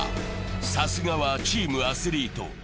さすがはチームアスリート。